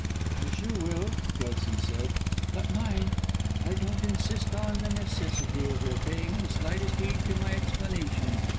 "As you will!" Kelson said, "but mind, I don't insist on the necessity of your paying the slightest heed to my explanation.